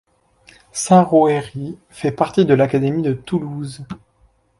Saint-Juéry fait partie de l'académie de Toulouse.